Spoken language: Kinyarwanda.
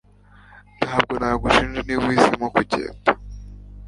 Ntabwo nagushinja niba uhisemo kugenda